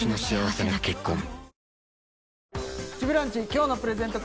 今日のプレゼント